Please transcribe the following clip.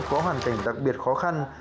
có hoàn cảnh đặc biệt khó khăn